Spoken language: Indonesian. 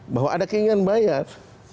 bahwa ada keinginan bayar